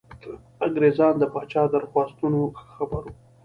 انګرېزان د پاچا په درخواستونو ښه خبر وو.